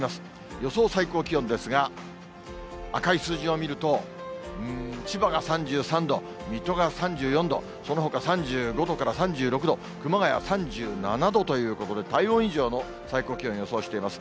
予想最高気温ですが、赤い数字を見ると、千葉が３３度、水戸が３４度、そのほか３５度から３６度、熊谷３７度ということで、体温以上の最高気温を予想しています。